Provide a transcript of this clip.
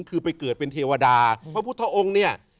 คือไปเกิดเป็นเทวดาพระพุทธองค์เนี่ย